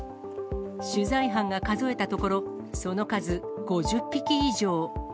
取材班が数えたところ、その数、５０匹以上。